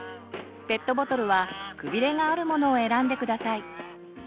ペットボトルは「くびれ」があるものを選んで下さい。